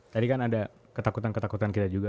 tadi kan ada ketakutan ketakutan kita juga